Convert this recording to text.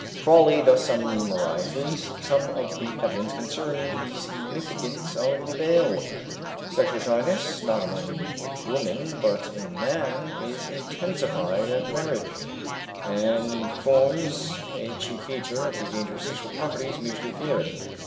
Crawley thus summarizes some of the evidence concerning the significance of the veil: "Sexual shyness, not only in woman, but in man, is intensified at marriage, and forms a chief feature of the dangerous sexual properties mutually feared.